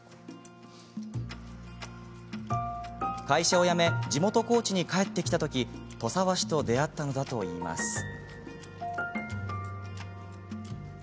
会社を辞め地元・高知に帰ってきたとき土佐和紙と出会ったのだといいます。